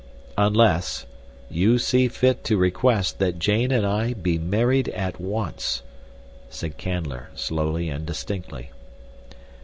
"Unless, you see fit to request that Jane and I be married at once," said Canler, slowly and distinctly.